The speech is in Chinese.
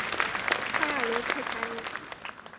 巴尔罗特卡米。